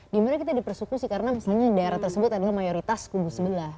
dimana kita dipersekusi karena misalnya daerah tersebut adalah mayoritas kubu sebelah